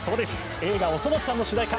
映画「おそ松さん」の主題歌